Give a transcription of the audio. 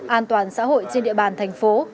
an toàn xã hội trên địa bàn thành phố